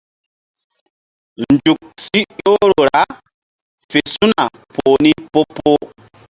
Nzuk si ƴohro ra fe su̧na poh ni po-poh.